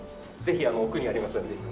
ぜひ奥にありますので。